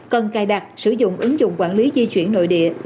cần cài đặt sử dụng ứng dụng quản lý di chuyển nội địa